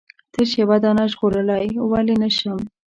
تش یوه دانه ژغورلای ولې نه شم؟